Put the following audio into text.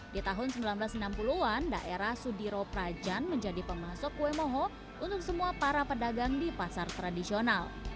di tahun seribu sembilan ratus enam puluh an daerah sudiro prajan menjadi pemasok kue moho untuk semua para pedagang di pasar tradisional